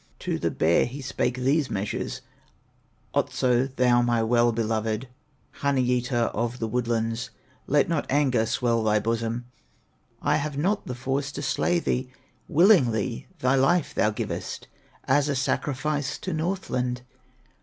To the bear he spake these measures: "Otso, thou my well beloved, Honey eater of the woodlands, Let not anger swell thy bosom; I have not the force to slay thee, Willingly thy life thou givest As a sacrifice to Northland.